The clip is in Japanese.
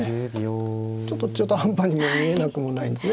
ちょっと中途半端にも見えなくもないんですね